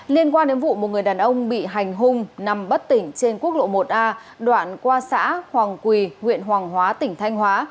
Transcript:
liên quan đến vụ một người đàn ông bị hành hung nằm bất tỉnh trên quốc lộ một a đoạn qua xã hoàng quỳ huyện hoàng hóa tỉnh thanh hóa